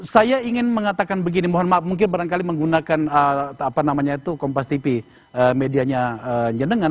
saya ingin mengatakan begini mohon maaf mungkin barangkali menggunakan kompas tv medianya jendangan